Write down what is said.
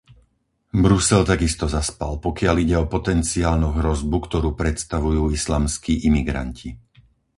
Brusel takisto zaspal, pokiaľ ide o potenciálnu hrozbu, ktorú predstavujú islamskí imigranti.